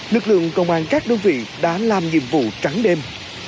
lực lượng công an các đơn vị đã làm nhiệm vụ trắng đêm